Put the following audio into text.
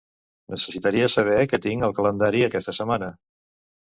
Necessitaria saber què tinc al calendari aquesta setmana.